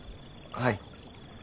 はい。